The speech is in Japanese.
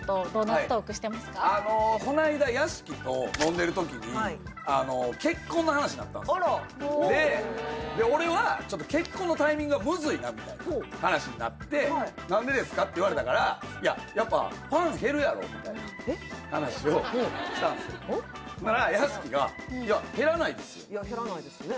普段この間屋敷と飲んでる時に結婚の話になったんですで俺はちょっとみたいな話になって「何でですか？」って言われたから「いややっぱファン減るやろ」みたいな話をしたんですよほんなら屋敷がいや減らないですね